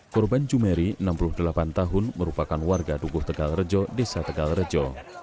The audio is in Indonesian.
korban jumeri enam puluh delapan tahun merupakan warga dugur tegal rejo desa tegal rejo